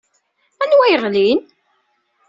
Anwa yeɣlin?